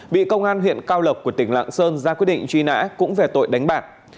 bị công an huyện cao lộc của tỉnh lạng sơn ra quyết định truy nã cũng về tội đánh bạc